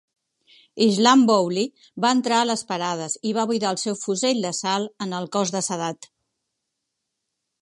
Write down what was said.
Islambouli va entrar a les parades i va buidar el seu fusell d'assalt en el cos de Sadat.